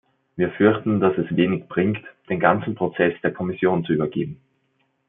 Wir fürchten, dass es wenig bringt, den ganzen Prozess der Kommission zu übergeben.